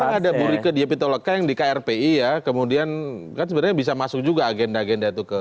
tapi kan sekarang ada buruh ke dpr yang di kri ya kemudian kan sebenarnya bisa masuk juga agenda agenda itu ke